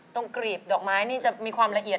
กรีบดอกไม้นี่จะมีความละเอียด